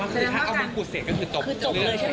คือถ้าเอามันปลูกเสร็จก็คือจบเลย